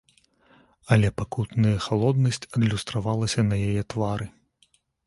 Але пакутная халоднасць адлюстравалася на яе твары.